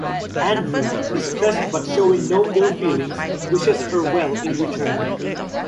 Andrew, distressed but showing no ill-feelings, wishes her well in return.